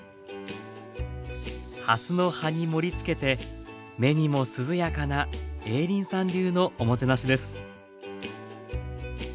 はすの葉に盛りつけて目にも涼やかな映林さん流のおもてなしです。